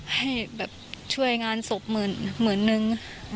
ให้แบบช่วยงานศพหมื่นนึง